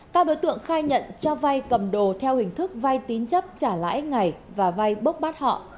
các đối tượng khai nhận cho vay cầm đồ theo hình thức vay tín chấp trả lãi ngày và vay bốc bắt họ